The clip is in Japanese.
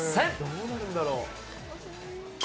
どうなるんだろう。